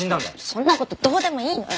そんなことどうでもいいの。